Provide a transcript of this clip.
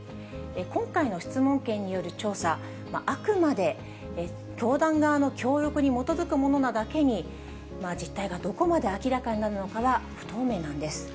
今回の質問権による調査、あくまで教団側の協力に基づくものなだけに、実態がどこまで明らかになるかは不透明なんです。